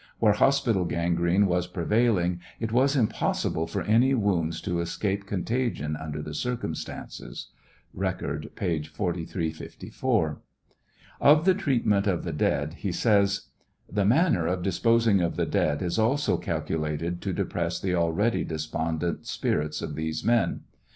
Where hospital gangrene was prevailing it was impossible for any wounds to escape con tagion under the circumstances. (Record, p. 4354.) Of the treatment of the dead he says : The manner of disposing of the dead is also calculated to depress the already despondent spirits of these men.